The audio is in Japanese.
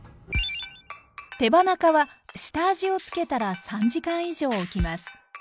手羽中は下味をつけたら３時間以上おきます。